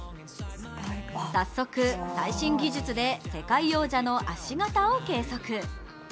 早速、最新技術で世界王者の足型を計測。